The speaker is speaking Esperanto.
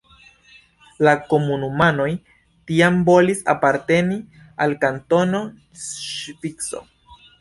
La komunumanoj tiam volis aparteni al Kantono Ŝvico.